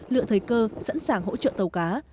lựa thời cơ sẵn sàng hỗ trợ tàu cá